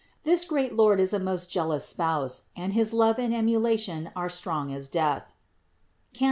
This great Lord is a most jealous Spouse and his love and emulation are strong as death (Cant.